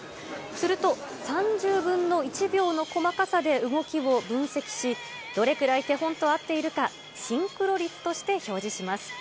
すると、３０分の１秒の細かさで動きを分析し、どれくらい手本と合っているか、シンクロ率として表示します。